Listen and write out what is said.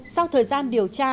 sau thời gian điều tra